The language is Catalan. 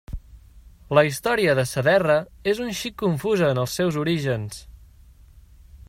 La història de Saderra és un xic confusa en els seus orígens.